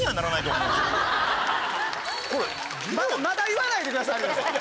まだ言わないでくださいよ。